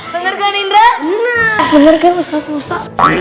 bener kan indra bener kan ustadz musa